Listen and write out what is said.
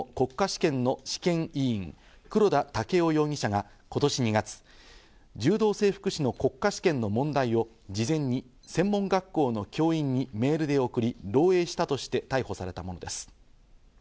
試験財団の理事、三橋裕之容疑者と柔道整復師の国家試験の試験委員・黒田剛生容疑者が今年２月、柔道整復師の国家試験の問題を事前に専門学校の教員にメールで送り、漏えいしたとして逮捕されたものです。